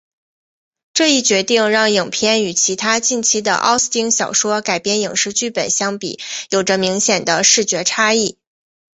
这一决定让影片与其他近期的奥斯汀小说改编影视剧本相比有着明显的视觉差异。